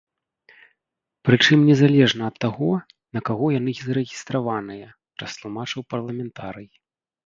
Прычым незалежна ад таго, на каго яны зарэгістраваныя, растлумачыў парламентарый.